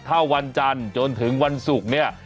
ถ้าวันจันทร์จนถึงวันศุกร์เนี่ย